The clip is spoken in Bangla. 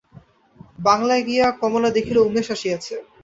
বাংলায় গিয়া কমলা দেখিল উমেশ আসিয়াছে।